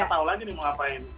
gak tau lagi nih mau ngapain